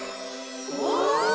お！